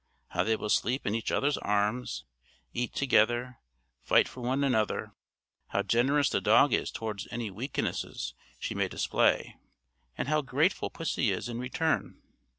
How they will sleep in each other's arms, eat together, fight for one another; how generous the dog is towards any weaknesses she may display; and how grateful pussy is in return.